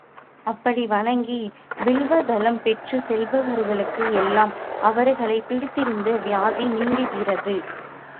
அப்படி வணங்கி வில்வதளம் பெற்றுச் செல்பவர்களுக்கு எல்லாம் அவர்களைப் பீடித்திருந்த வியாதி நீங்குகிறது.